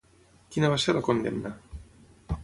Quina va ser la condemna?